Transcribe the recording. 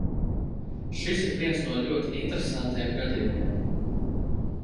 Šis ir viens no ļoti interesantiem gadījumiem.